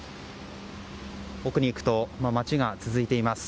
奥に行くと、街が続いています。